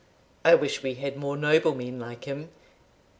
I wish we had more noblemen like him.